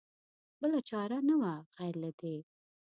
بله چاره نه وه غیر له دې.